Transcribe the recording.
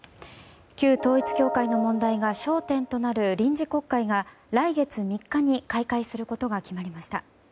旧統一教会の問題が焦点となる臨時国会が来月３日に開会することが決まりました。